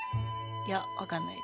いや分かんない。